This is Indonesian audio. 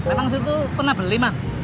emang situ pernah beli mak